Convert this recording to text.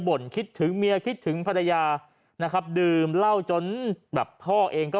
คิดถึงเมียคิดถึงภรรยานะครับดื่มเหล้าจนแบบพ่อเองก็